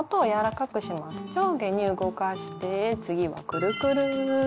上下に動かして次はくるくる。